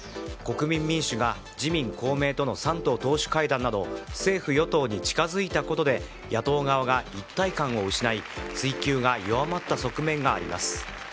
国民民主が自民・公明との３党党首会談など政府・与党に近づいたことで野党側が一体感を失い追及が弱まった側面があります。